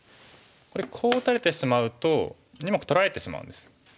ここでこう打たれてしまうと２目取られてしまうんです。